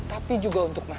tapi juga untuk mas calon